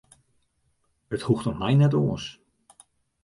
It hoecht om my net oars.